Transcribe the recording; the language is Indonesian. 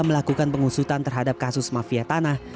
melakukan pengusutan terhadap kasus mafia tanah